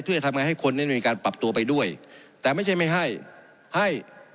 เพื่อทำไงให้คนนั้นมีการปรับตัวไปด้วยแต่ไม่ใช่ไม่ให้ให้